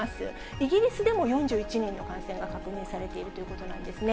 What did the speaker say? イギリスでも４１人の感染が確認されているということなんですね。